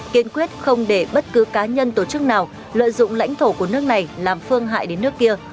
kiên quyết không để bất cứ cá nhân tổ chức nào lợi dụng lãnh thổ của nước này làm phương hại đến nước kia